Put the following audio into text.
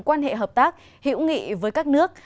quan hệ hợp tác hiểu nghị với các nước